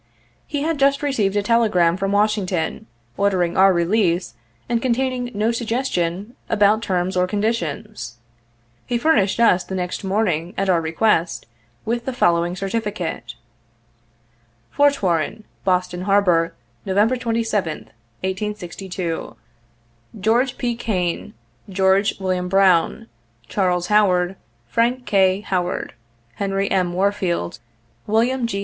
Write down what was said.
He had just received a tele gram from Washington ordering our release and containing no suggestion about terms or conditions. He furnished us the next morning, at our request, with the following certi ficate :" Fort Warren, Boston Harbor, " November 27th, 1862. " George P. Kane, " George Wm. Brown, " Charles Howard, "Frank K. Howard, " Henry M. Warfield, " William G.